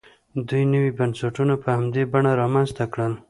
دوی نوي بنسټونه په همدې بڼه رامنځته کړل.